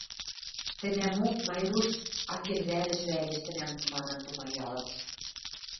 Тӹнӓмок Майруш «Акел вӓрӹш вӓрештӹнӓм» манын тумаялын.